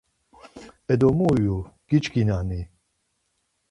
Edo, mu ivu giçkinani?